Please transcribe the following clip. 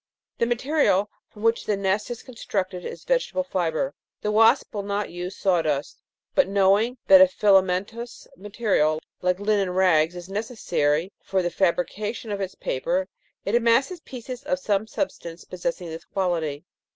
The material from which the nest is con structed is vegetable fibre. The wasp will not use saw dust ; but, knowing that a filamentous material, like linen rags, is necessary for the fabrication, of its paper, it amasses pieces of some substance possessing this quality.